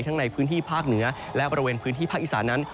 ในพื้นที่ภาคเหนือและบริเวณพื้นที่ภาคอีสานั้น